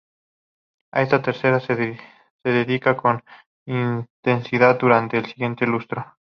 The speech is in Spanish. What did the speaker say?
A esta tarea se dedicará, con intensidad, durante el siguiente lustro.